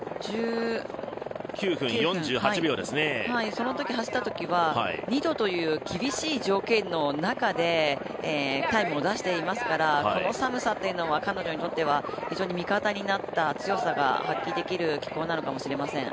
そのとき走ったときは２度という厳しい条件の中でタイムを出していますからこの寒さというのは彼女にとっては非常に味方になった強さを発揮できる気候なのかもしれません。